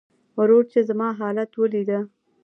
ورور چې زما حالت وليده .